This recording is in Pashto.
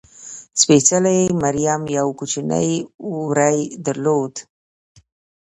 سپېڅلې مریم یو کوچنی وری درلود.